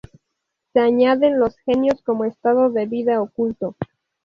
Se añaden los genios como estado de vida oculto.